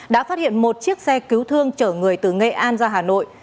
đã phát hiện một chiếc xe cứu thương chở người từ nghệ an ra hà nội